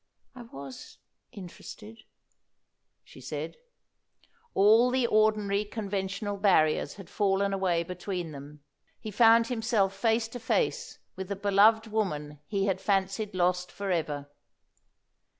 "I was interested," she said. All the ordinary conventional barriers had fallen away between them. He found himself face to face with the beloved woman he had fancied lost for ever.